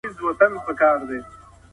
خپل منځي معاملې په رښتيا سره کوئ.